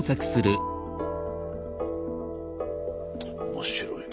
面白いな。